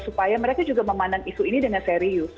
supaya mereka juga memandang isu ini dengan serius